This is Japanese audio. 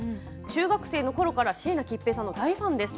中学生のころから椎名桔平さんの大ファンです。